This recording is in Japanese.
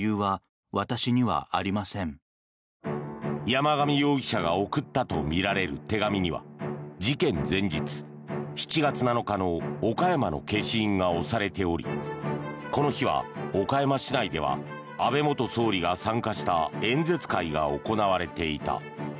山上容疑者が送ったとみられる手紙には事件前日、７月７日の岡山の消印が押されておりこの日は岡山市内では安倍元総理が参加した演説会が行われていた。